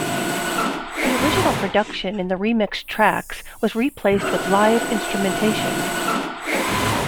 The original production in the remixed tracks was replaced with live instrumentation.